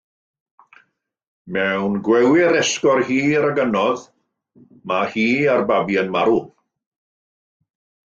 Mewn gwewyr esgor hir ac anodd, mae hi a'r babi yn marw.